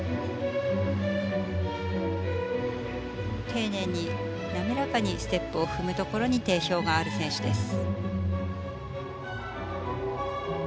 丁寧に滑らかにステップを踏むところに定評がある選手です。